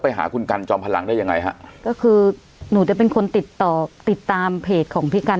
ไปหาคุณกันจอมพลังได้ยังไงฮะก็คือหนูจะเป็นคนติดต่อติดตามเพจของพี่กัน